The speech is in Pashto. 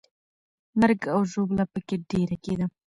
مرګ او ژوبله پکې ډېره کېده.